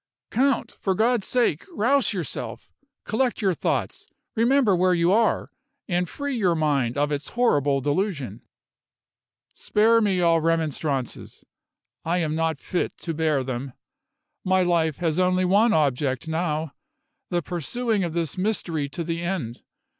"Count! for God's sake, rouse yourself! Collect your thoughts remember where you are and free your mind of its horrible delusion." "Spare me all remonstrances; I am not fit to bear them. My life has only one object now the pursuing of this mystery to the end.